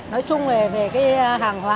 nói chung về hàng hóa